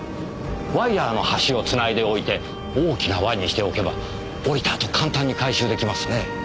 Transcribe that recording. ワイヤーの端を繋いでおいて大きな輪にしておけば下りたあと簡単に回収出来ますね。